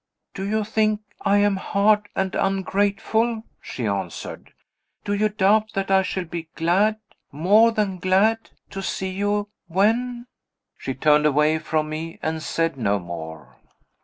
"Do you think I am hard and ungrateful?" she answered. "Do you doubt that I shall be glad, more than glad, to see you, when ?" She turned away from me and said no more.